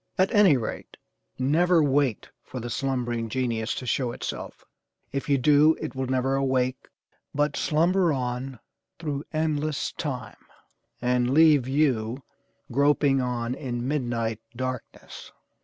At any rate, never wait for the 'slumbering genius' to show itself, if you do, it will never awake but slumber on through endless time, and leave you groping on in midnight darkness.